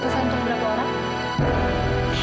mau pesan untuk berapa orang